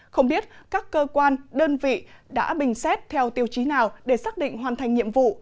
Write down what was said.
không biết các cơ quan đơn vị đã bình xét theo tiêu chí nào để xác định hoàn thành nhiệm vụ